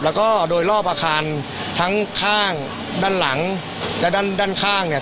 แล้วก็โดยรอบอาคารทั้งข้างด้านหลังและด้านด้านข้างเนี่ย